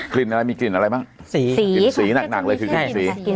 กลิ่นอะไรมีกลิ่นอะไรบ้างสีสีสีหนักหนักเลยคือกลิ่นสีใช่ค่ะ